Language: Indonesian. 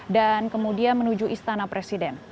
dan kemudian menuju istana presiden